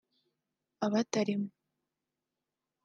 Abatarimo